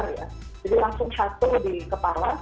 jadi langsung satu di kepala